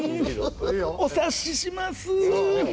お察しします。